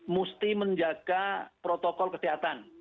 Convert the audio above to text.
mesti menjaga protokol kesehatan